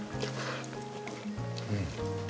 うん。